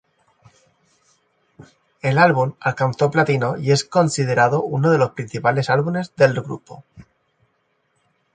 El álbum alcanzó platino y es considerado uno de los principales álbumes del grupo.